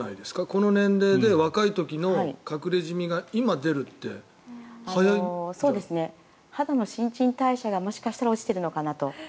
この年齢で、若い時の隠れジミが肌の新陳代謝がもしかしたら落ちているのかなと。